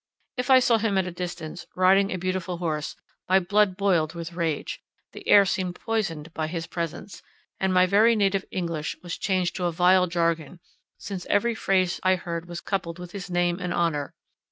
If I saw him at a distance, riding a beautiful horse, my blood boiled with rage; the air seemed poisoned by his presence, and my very native English was changed to a vile jargon, since every phrase I heard was coupled with his name and honour.